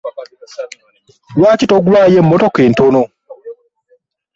Lwaki togulaayo emmotoka entono?